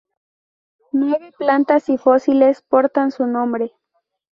Nueve plantas y fósiles portan su nombre.